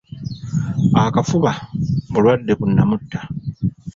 Akafuba bulwadde bu nnamutta.